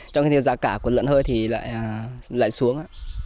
trong khi giá cả của lợn hơi thì lại xuống